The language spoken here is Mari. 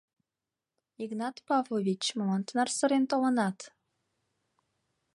— Игнат Павлович, молан тынар сырен толынат?